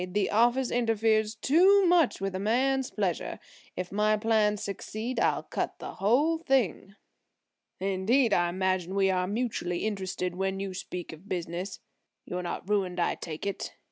The office interferes too much with a man's pleasure. If my plans succeed I'll cut the whole thing." "Indeed! I imagine we are mutually interested when you speak of 'business.' You're not ruined I take it.